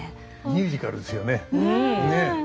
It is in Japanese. ミュージカルですよねねえ。